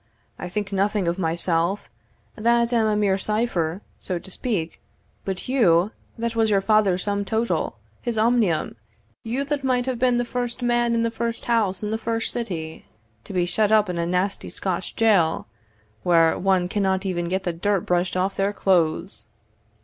I think nothing of myself, that am a mere cipher, so to speak; but you, that was your father's sum total his omnium, you that might have been the first man in the first house in the first city, to be shut up in a nasty Scotch jail, where one cannot even get the dirt brushed off their clothes!"